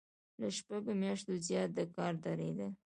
له شپږو میاشتو زیات د کار دریدل.